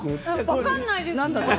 分かんないですね。